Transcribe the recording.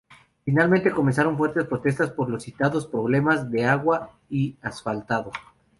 Finalmente comenzaron fuertes protestas por los citados problemas de agua y asfaltado.